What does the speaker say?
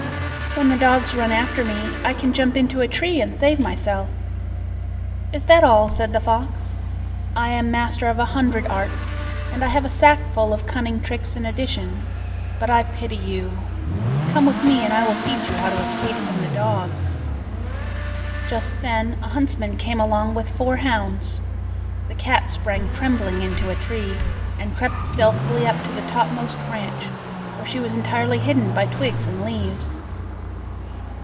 "When the dogs run after me, I can jump into a tree and save myself." "Is that all?" said the fox. "I am master of a hundred arts, and I have a sackful of cunning tricks in addition. But I pity you. Come with me, and I will teach you how to escape from the dogs." Just then a huntsman came along with four hounds. The cat sprang trembling into a tree, and crept stealthily up to the topmost branch, where she was entirely hidden by twigs and leaves.